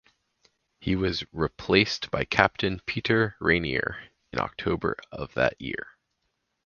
He was replaced by Captain Peter Rainier in October of that year.